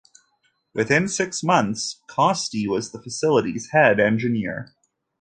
Within six months Costey was the facility's head engineer.